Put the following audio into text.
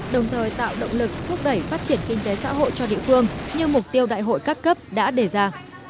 đồng thời tạo động lực thúc đẩy phát triển kinh tế xã hội cho địa phương như mục tiêu đại hội các cấp đã đề ra